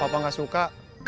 selama papa gak suka